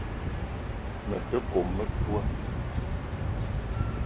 Me te kome metoua